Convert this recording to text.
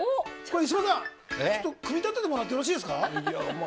石破さん、組み立ててもらってよろしいですか。